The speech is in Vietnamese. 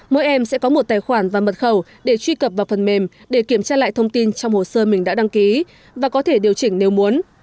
mỗi em sẽ có một tài khoản và mật khẩu để truy cập vào phần mềm để kiểm tra lại thông tin trong hồ sơ mình đã đăng ký và có thể điều chỉnh nếu muốn